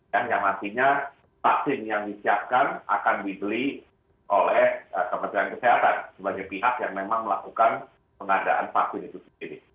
yang nantinya vaksin yang disiapkan akan dibeli oleh kementerian kesehatan sebagai pihak yang memang melakukan pengadaan vaksin itu sendiri